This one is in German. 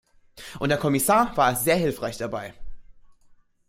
Und der Kommissar war sehr hilfreich dabei.